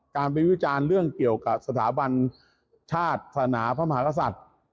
การไปวิจารณ์เรื่องเกี่ยวกับสถาบันชาติศาสนาพระมหากษัตริย์